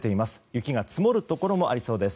雪が積もるところもありそうです。